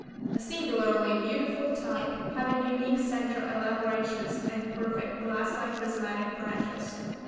A singularly beautiful type, having unique centre elaborations, and perfect, glass like prismatic branches.